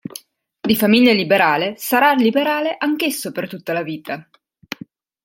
Di famiglia liberale, sarà liberale anch'esso per tutta la vita.